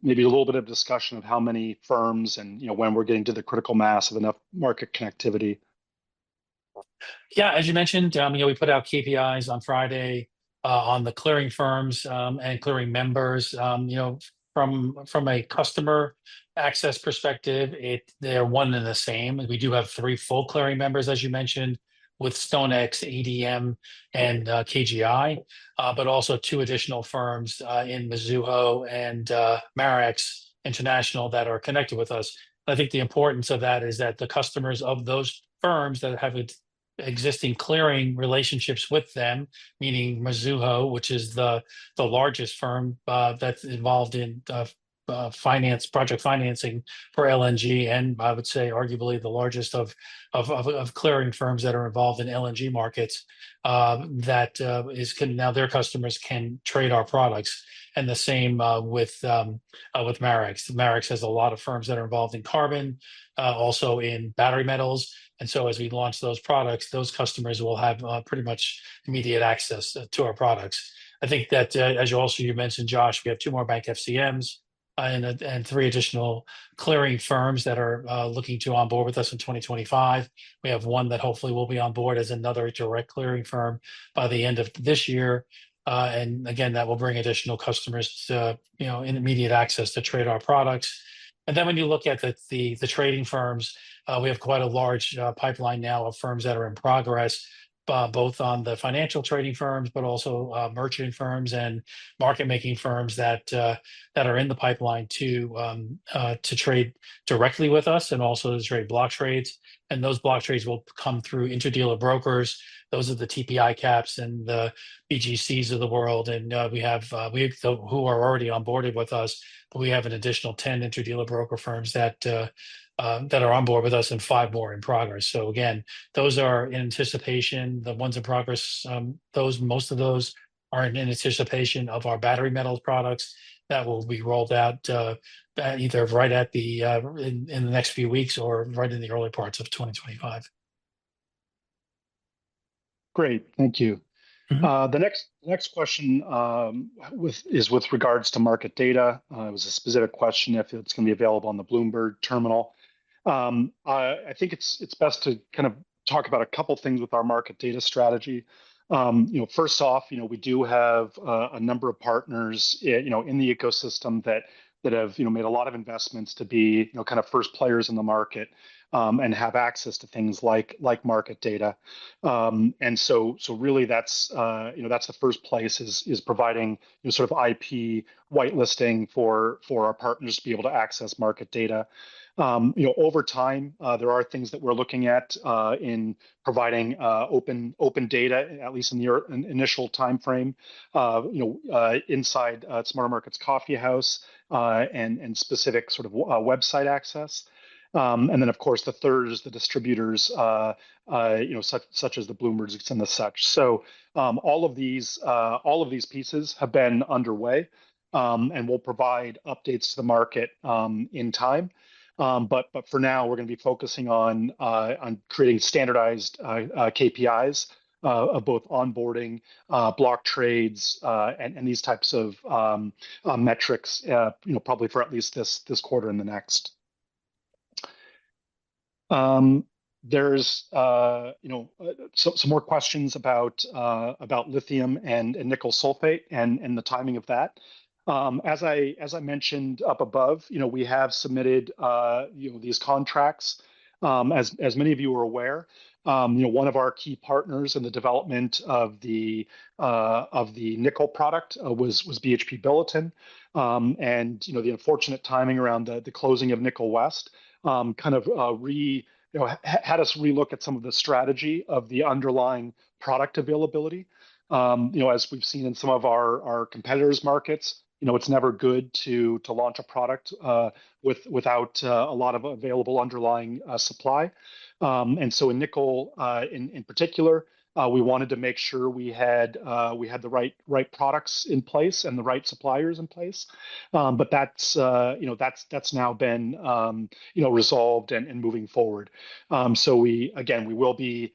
maybe a little bit of discussion of how many firms and when we're getting to the critical mass of enough market connectivity. Yeah, as you mentioned, we put out KPIs on Friday on the clearing firms and clearing members. From a customer access perspective, they're one and the same. We do have three full clearing members, as you mentioned, with StoneX, ADM, and KGI, but also two additional firms in Mizuho and Marex International that are connected with us. I think the importance of that is that the customers of those firms that have existing clearing relationships with them, meaning Mizuho, which is the largest firm that's involved in project financing for LNG, and I would say arguably the largest of clearing firms that are involved in LNG markets, that now their customers can trade our products. And the same with Marex. Marex has a lot of firms that are involved in carbon, also in battery metals. And so as we launch those products, those customers will have pretty much immediate access to our products. I think that, as you also mentioned, Josh, we have two more bank FCMs and three additional clearing firms that are looking to onboard with us in 2025. We have one that hopefully will be on board as another direct clearing firm by the end of this year. Again, that will bring additional customers immediate access to trade our products. Then when you look at the trading firms, we have quite a large pipeline now of firms that are in progress, both on the financial trading firms, but also merchant firms and market-making firms that are in the pipeline to trade directly with us and also to trade block trades. And those block trades will come through interdealer brokers. Those are the TP ICAPs and the BGCs of the world. And we have who are already onboarded with us, but we have an additional 10 interdealer broker firms that are onboard with us and five more in progress. So again, those are in anticipation. The ones in progress, most of those are in anticipation of our battery metals products that will be rolled out either right in the next few weeks or right in the early parts of 2025. Great. Thank you. The next question is with regards to market data. It was a specific question if it's going to be available on the Bloomberg Terminal. I think it's best to kind of talk about a couple of things with our market data strategy. First off, we do have a number of partners in the ecosystem that have made a lot of investments to be kind of first players in the market and have access to things like market data. And so really, that's the first place is providing sort of IP whitelisting for our partners to be able to access market data. Over time, there are things that we're looking at in providing open data, at least in the initial timeframe, inside Smarter Markets Coffeehouse and specific sort of website access. And then, of course, the third is the distributors such as the Bloombergs and the such. So all of these pieces have been underway and will provide updates to the market in time. But for now, we're going to be focusing on creating standardized KPIs of both onboarding, block trades, and these types of metrics probably for at least this quarter and the next. There's some more questions about lithium and nickel sulfate and the timing of that. As I mentioned up above, we have submitted these contracts. As many of you are aware, one of our key partners in the development of the nickel product was BHP Billiton, and the unfortunate timing around the closing of Nickel West kind of had us relook at some of the strategy of the underlying product availability. As we've seen in some of our competitors' markets, it's never good to launch a product without a lot of available underlying supply, and so in nickel, in particular, we wanted to make sure we had the right products in place and the right suppliers in place, but that's now been resolved and moving forward, so again, we will be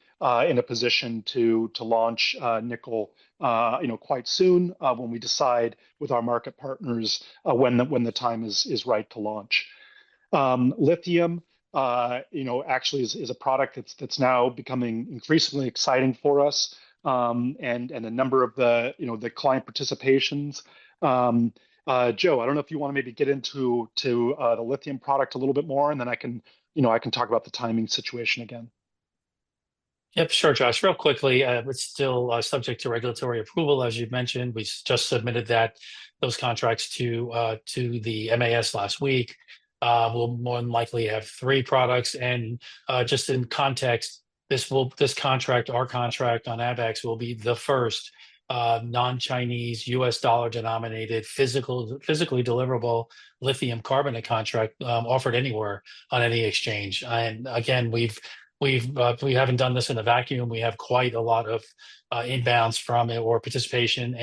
in a position to launch nickel quite soon when we decide with our market partners when the time is right to launch. Lithium actually is a product that's now becoming increasingly exciting for us and a number of the client participations. Joe, I don't know if you want to maybe get into the lithium product a little bit more, and then I can talk about the timing situation again. Yep, sure, Josh. Real quickly, it's still subject to regulatory approval, as you've mentioned. We just submitted those contracts to the MAS last week. We'll more than likely have three products. And just in context, our contract on Abaxx will be the first non-Chinese U.S. dollar-denominated physically deliverable lithium carbonate contract offered anywhere on any exchange. And again, we haven't done this in a vacuum. We have quite a lot of inbounds from it or participation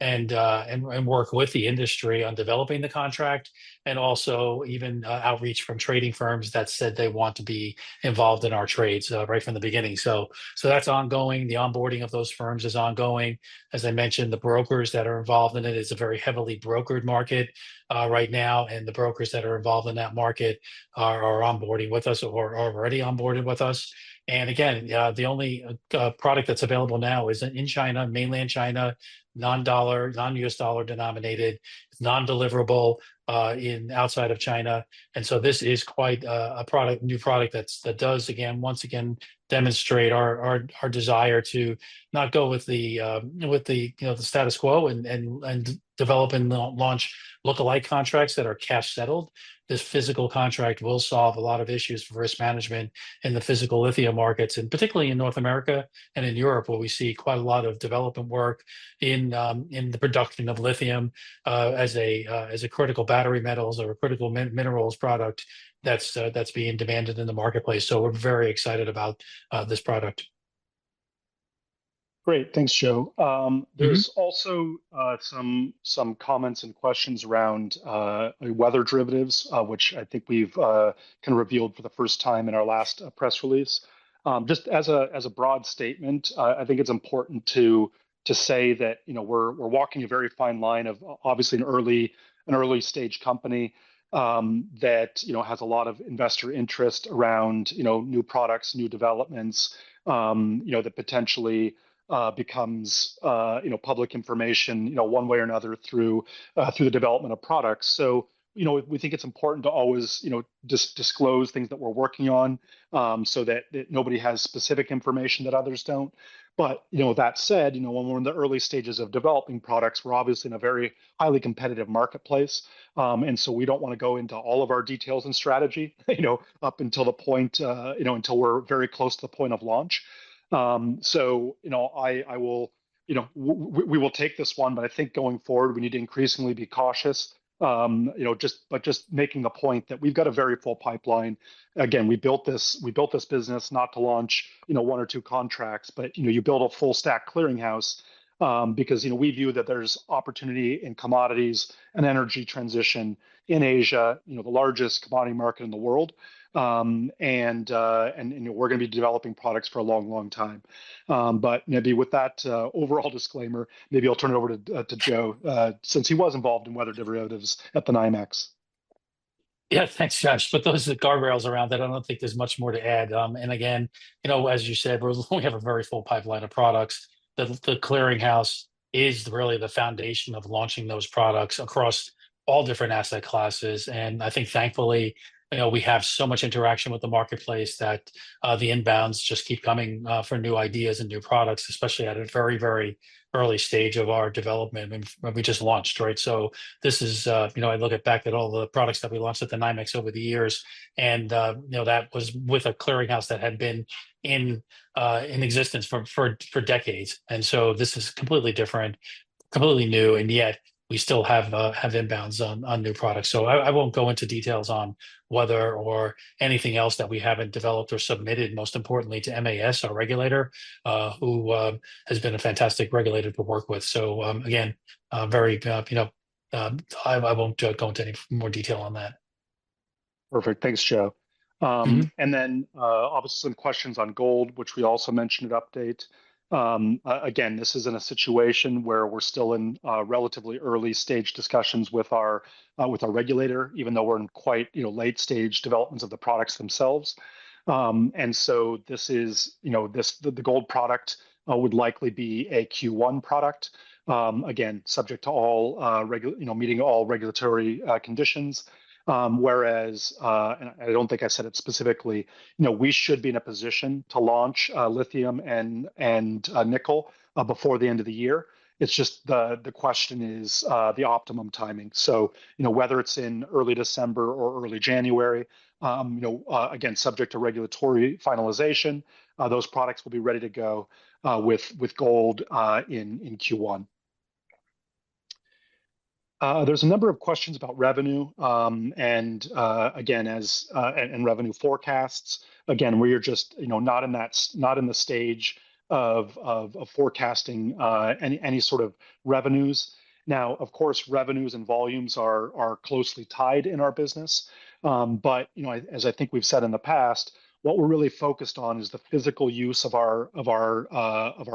and work with the industry on developing the contract and also even outreach from trading firms that said they want to be involved in our trades right from the beginning. So that's ongoing. The onboarding of those firms is ongoing. As I mentioned, the brokers that are involved in it is a very heavily brokered market right now. And the brokers that are involved in that market are onboarding with us or are already onboarded with us. And again, the only product that's available now is in China, mainland China, non-U.S. dollar-denominated, non-deliverable outside of China. And so this is quite a new product that does, again, once again, demonstrate our desire to not go with the status quo and develop and launch lookalike contracts that are cash settled. This physical contract will solve a lot of issues for risk management in the physical lithium markets, and particularly in North America and in Europe, where we see quite a lot of development work in the production of lithium as a critical battery metals or a critical minerals product that's being demanded in the marketplace. So we're very excited about this product. Great. Thanks, Joe. There's also some comments and questions around weather derivatives, which I think we've kind of revealed for the first time in our last press release. Just as a broad statement, I think it's important to say that we're walking a very fine line of obviously an early-stage company that has a lot of investor interest around new products, new developments that potentially becomes public information one way or another through the development of products. So we think it's important to always disclose things that we're working on so that nobody has specific information that others don't. But that said, when we're in the early stages of developing products, we're obviously in a very highly competitive marketplace. And so we don't want to go into all of our details and strategy up until the point until we're very close to the point of launch. So we will take this one, but I think going forward, we need to increasingly be cautious, but just making the point that we've got a very full pipeline. Again, we built this business not to launch one or two contracts, but you build a full-stack clearinghouse because we view that there's opportunity in commodities and energy transition in Asia, the largest commodity market in the world. And we're going to be developing products for a long, long time. But maybe with that overall disclaimer, maybe I'll turn it over to Joe since he was involved in weather derivatives at the NYMEX. Yeah, thanks, Josh. But those are the guardrails around that. I don't think there's much more to add. Again, as you said, we have a very full pipeline of products. The clearinghouse is really the foundation of launching those products across all different asset classes. I think, thankfully, we have so much interaction with the marketplace that the inbounds just keep coming for new ideas and new products, especially at a very, very early stage of our development. We just launched, right? This is. I look back at all the products that we launched at the NYMEX over the years. That was with a clearinghouse that had been in existence for decades. This is completely different, completely new, and yet we still have inbounds on new products. I won't go into details on whether or anything else that we haven't developed or submitted, most importantly, to MAS, our regulator, who has been a fantastic regulator to work with. So again, I won't go into any more detail on that. Perfect. Thanks, Joe. And then obviously some questions on gold, which we also mentioned at update. Again, this is in a situation where we're still in relatively early-stage discussions with our regulator, even though we're in quite late-stage developments of the products themselves. And so the gold product would likely be a Q1 product, again, subject to meeting all regulatory conditions. Whereas, and I don't think I said it specifically, we should be in a position to launch lithium and nickel before the end of the year. It's just the question is the optimum timing. So whether it's in early December or early January, again, subject to regulatory finalization, those products will be ready to go with gold in Q1. There's a number of questions about revenue and revenue forecasts. Again, we are just not in the stage of forecasting any sort of revenues. Now, of course, revenues and volumes are closely tied in our business. But as I think we've said in the past, what we're really focused on is the physical use of our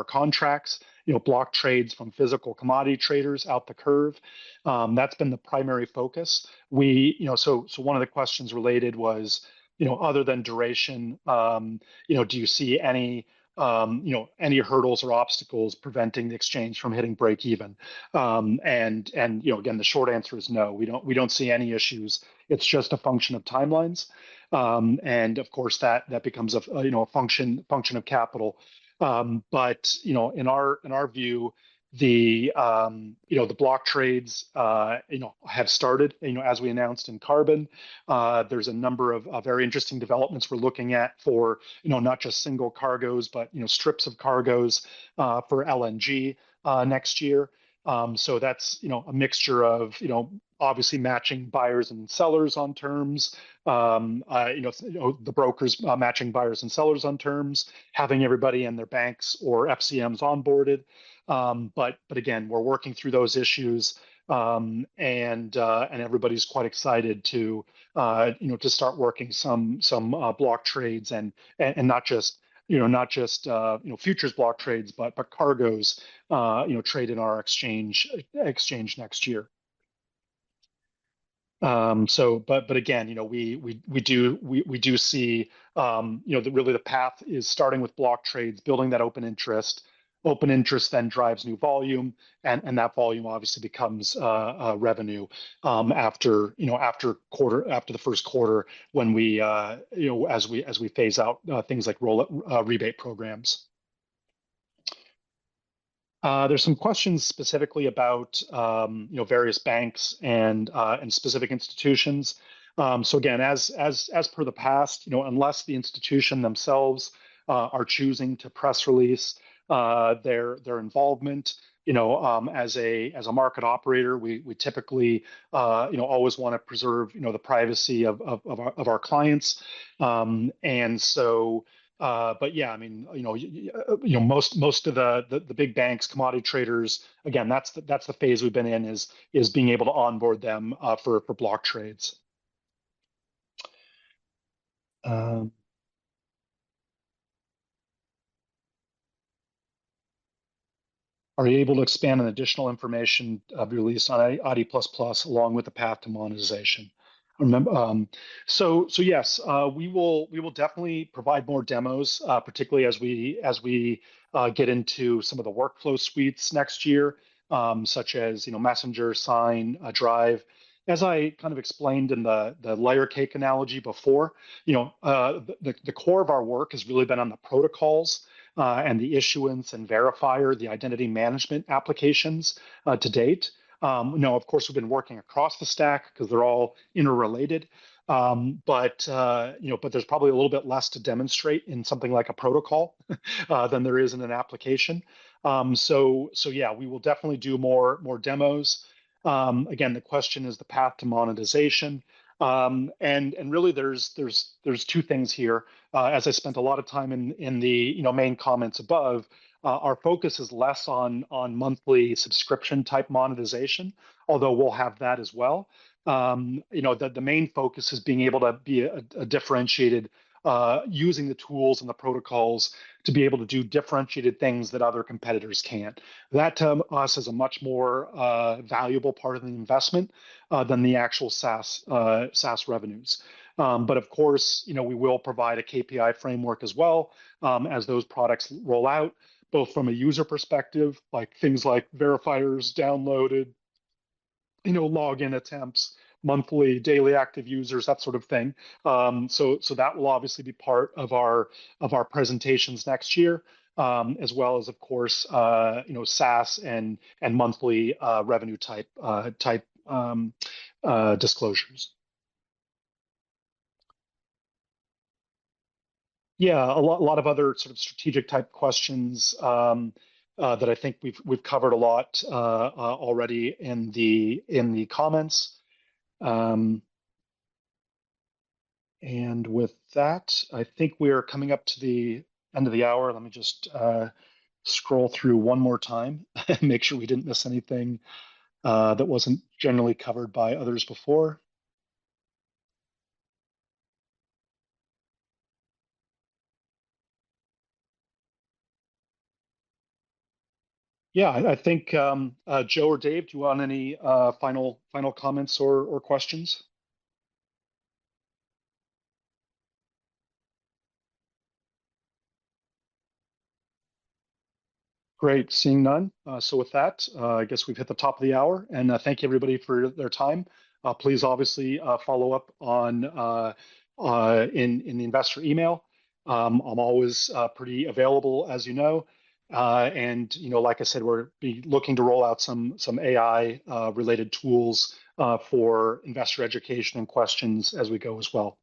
contracts, block trades from physical commodity traders out the curve. That's been the primary focus. So one of the questions related was, other than duration, do you see any hurdles or obstacles preventing the exchange from hitting break-even? And again, the short answer is no. We don't see any issues. It's just a function of timelines. And of course, that becomes a function of capital. But in our view, the block trades have started. As we announced in carbon, there's a number of very interesting developments we're looking at for not just single cargoes, but strips of cargoes for LNG next year. So that's a mixture of obviously matching buyers and sellers on terms, the brokers matching buyers and sellers on terms, having everybody in their banks or FCMs onboarded. But again, we're working through those issues. And everybody's quite excited to start working some block trades and not just futures block trades, but cargo trades in our exchange next year. But again, we do see that really the path is starting with block trades, building that open interest. Open interest then drives new volume. And that volume obviously becomes revenue after the first quarter when we, as we phase out things like rebate programs. There's some questions specifically about various banks and specific institutions. So again, as per the past, unless the institution themselves are choosing to press release their involvement as a market operator, we typically always want to preserve the privacy of our clients. Yeah, I mean, most of the big banks, commodity traders, again, that's the phase we've been in is being able to onboard them for block trades. Are you able to expand on additional information of your release on ID++ along with the path to monetization? So yes, we will definitely provide more demos, particularly as we get into some of the workflow suites next year, such as Messenger, Sign, Drive. As I kind of explained in the layer cake analogy before, the core of our work has really been on the protocols and the issuance and verifier, the identity management applications to date. Now, of course, we've been working across the stack because they're all interrelated. But there's probably a little bit less to demonstrate in something like a protocol than there is in an application. So yeah, we will definitely do more demos. Again, the question is the path to monetization. And really, there's two things here. As I spent a lot of time in the main comments above, our focus is less on monthly subscription-type monetization, although we'll have that as well. The main focus is being able to be differentiated using the tools and the protocols to be able to do differentiated things that other competitors can't. That to us is a much more valuable part of the investment than the actual SaaS revenues. But of course, we will provide a KPI framework as well as those products roll out, both from a user perspective, like things like verifiers downloaded, login attempts, monthly, daily active users, that sort of thing. So that will obviously be part of our presentations next year, as well as, of course, SaaS and monthly revenue-type disclosures. Yeah, a lot of other sort of strategic-type questions that I think we've covered a lot already in the comments. And with that, I think we are coming up to the end of the hour. Let me just scroll through one more time and make sure we didn't miss anything that wasn't generally covered by others before. Yeah, I think Joe or Dave, do you want any final comments or questions? Great. Seeing none. So with that, I guess we've hit the top of the hour. And thank you, everybody, for their time. Please obviously follow up in the investor email. I'm always pretty available, as you know. And like I said, we're looking to roll out some AI-related tools for investor education and questions as we go as well.